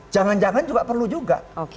jangan jangan juga perlu juga